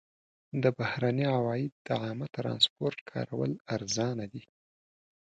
د بهرني هېواد د عامه ترانسپورټ کارول ارزانه دي.